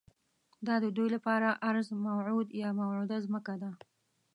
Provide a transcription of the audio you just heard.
دا ددوی لپاره ارض موعود یا موعوده ځمکه ده.